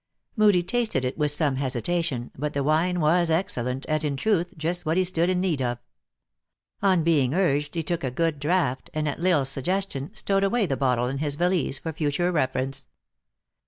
Moodie tasted it with some hesitation, but the wine was excellent, and in truth, just what he stood in need of. On being urged, he took a good draught, and at L Isle s suggestion, stowed away the bottle in^hie valise for future reference.